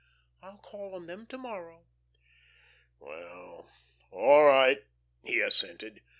I'll call on them to morrow." "Well, all right," he assented.